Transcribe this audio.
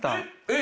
え！